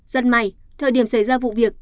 rất may thời điểm xảy ra vụ việc